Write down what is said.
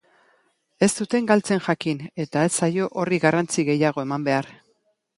Ez zuten galtzen jakin eta ez zaio horri garrantzi gehiago eman behar.